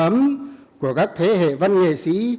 một mái nhà chung đầm ấm của các thế hệ văn nghệ sĩ